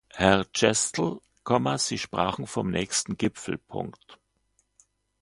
Herr Chastel, Sie sprachen vom nächsten Gipfel.